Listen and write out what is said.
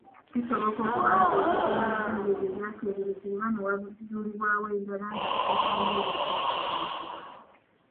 Kisoboka okuba ng’ebizuuliddwa by’ebyo ebyateeberezebwa, oba ne wazuulibwawo ebirala nga bikontana n’ebyo ebyateeberezebwa.